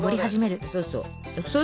そうそう。